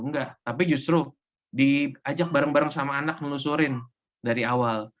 enggak tapi justru diajak bareng bareng sama anak menelusurin dari awal